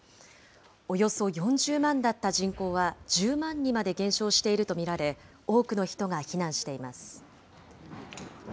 およそ４０万だった人口は１０万にまで減少していると見られ、多くの人が避難しています。